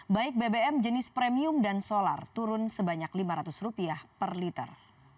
baik bbm jenis premium dan solar turun sebanyak lima ratus rupiah per liter